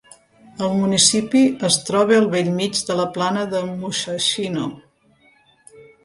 El municipi es troba al bell mig de la plana de Musashino.